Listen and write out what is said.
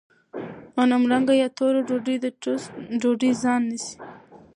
غنمرنګه یا توره ډوډۍ د ټوسټ ډوډۍ ځای نیسي.